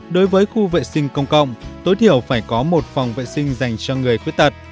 đối với khu vệ sinh công cộng tối thiểu phải có một phòng vệ sinh dành cho người khuyết tật